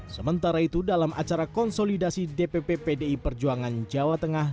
sementara itu dalam acara konsolidasi dpp pdi perjuangan jawa tengah